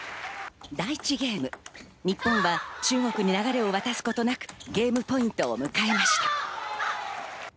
第１ゲーム、日本は中国に流れを渡すことなくゲームポイントを迎えました。